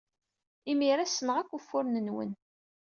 Imir-a, ssneɣ akk ufuren-nwen!